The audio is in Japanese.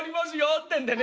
ってんでね